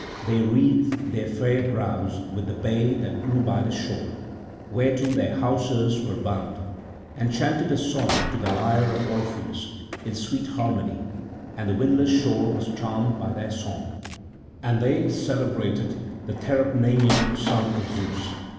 They wreathed their fair brows with the bay that grew by the shore, whereto their hawsers were bound, and chanted a song to the lyre of Orpheus in sweet harmony; and the windless shore was charmed by their song; and they celebrated the Therapnaean son of Zeus.